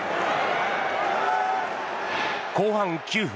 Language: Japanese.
後半９分。